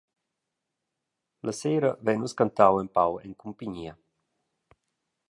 La sera vein nus cantau empau en cumpignia.